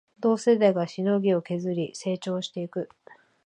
同世代がしのぎを削り成長していく